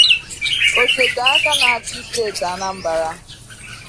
Osote aka na-achị steeti Anambra